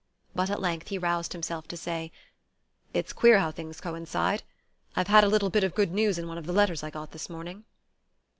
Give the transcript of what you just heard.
But at length he roused himself to say: "It's queer how things coincide. I've had a little bit of good news in one of the letters I got this morning."